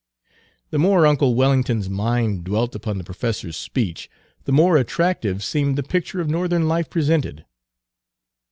The more uncle Wellington's mind dwelt upon the professor's speech, the more attractive seemed the picture of Northern life presented.